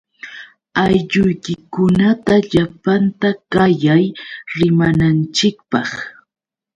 Aylluykikunata llapanta qayay rimananchikpaq.